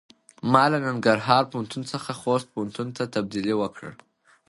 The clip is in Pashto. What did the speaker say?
ما له ننګرهار پوهنتون څخه خوست پوهنتون ته تبدیلي وکړۀ.